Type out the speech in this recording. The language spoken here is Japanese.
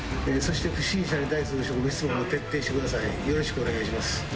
よろしくお願いします。